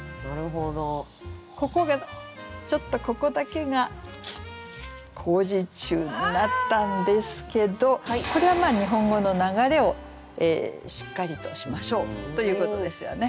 ここがちょっとここだけが工事中になったんですけどこれはまあ日本語の流れをしっかりとしましょうということですよね。